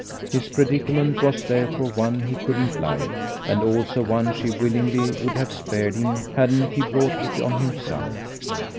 His predicament was therefore one he couldn't like, and also one she willingly would have spared him hadn't he brought it on himself.